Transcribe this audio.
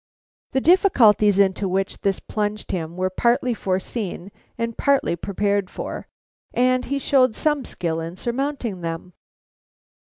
The difficulties into which this plunged him were partly foreseen and partly prepared for, and he showed some skill in surmounting them.